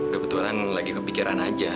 kebetulan lagi kepikiran aja